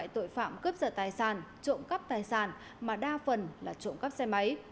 tội phạm cướp giật tài sản trộm cắp tài sản mà đa phần là trộm cắp xe máy